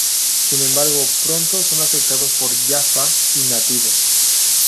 Sin embargo pronto son atacados por Jaffa y nativos.